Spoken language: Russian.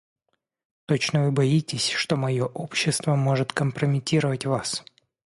Точно вы боитесь, что мое общество может компрометировать вас.